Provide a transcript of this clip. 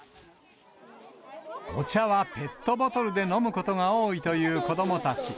お茶はペットボトルで飲むことが多いという子どもたち。